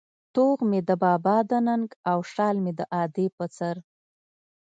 توغ مې د بابا د ننگ او شال مې د ادې په سر